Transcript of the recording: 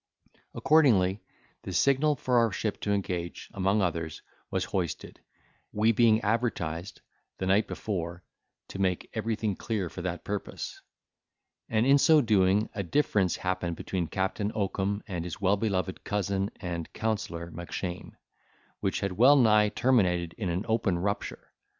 Accordingly, the signal for our ship to engage, among others, was hoisted, we being advertised, the night before, to make everything clear for that purpose; and, in so doing, a difference happened between Captain Oakum and his well beloved cousin and counsellor Mackshane, which had well nigh terminated in an open rupture.